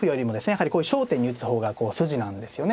やはりこう焦点に打つ方がこう筋なんですよね。